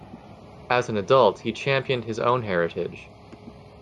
As an adult, he championed his own heritage.